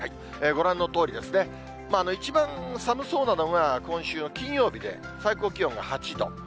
ご覧のとおりですね、一番寒そうなのが、今週の金曜日で、最高気温が８度。